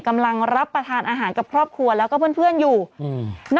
กำลังรับประทานอาหารกับครอบครัวแล้วก็เพื่อนเพื่อนอยู่อืม